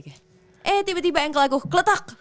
eh tiba tiba ankle aku keletak